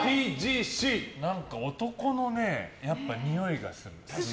男のにおいがする。